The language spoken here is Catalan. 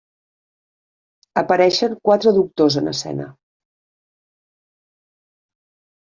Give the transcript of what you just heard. Apareixen quatre doctors en escena.